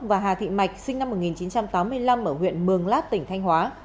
và hà thị mạch sinh năm một nghìn chín trăm tám mươi năm ở huyện mường lát tỉnh thanh hóa